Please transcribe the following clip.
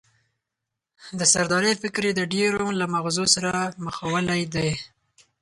د سردارۍ فکر یې د ډېرو له مغزو سره مښلولی دی.